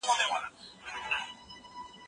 هغه ګونګی سړی چي ږیره لري، ډېري مڼې خوري.